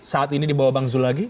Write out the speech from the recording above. saat ini di bawah bang zul lagi